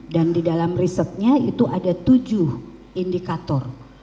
dan di dalam risetnya itu ada tujuh indikator